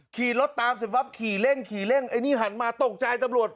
ขี่รถตามเสร็จปั๊บขี่เร่งขี่เร่งไอ้นี่หันมาตกใจตำรวจ